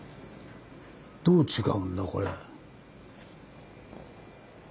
どう違うんだこれ。